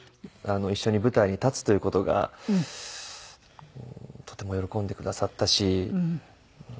一緒に舞台に立つという事がとても喜んでくださったし。